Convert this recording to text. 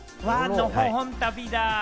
のほほん旅だ。